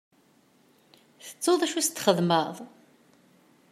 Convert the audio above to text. Tettuḍ d acu i sent-txedmeḍ?